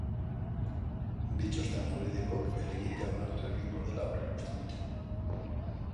Bi txosten juridikok helegitea onartu egingo dela aurreikusten dute.